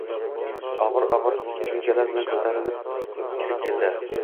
og’ir-og’ir sumkalar bilan ko’tarinib kirib keldi.